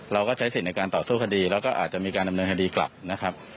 เราก็ใช้สิทธิ์ในการต่อสู้คดีแล้วก็อาจจะมีการดำเนินคดีกลับนะครับ